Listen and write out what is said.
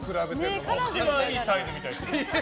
一番いいサイズみたいです。